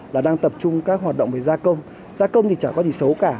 là đang tập trung các hoạt động về gia công gia công thì chả có gì xấu cả